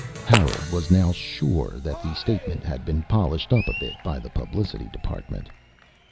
Harold was sure now that the statement had been polished up a bit by the publicity department.